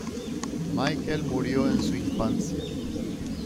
Michael murió en su infancia.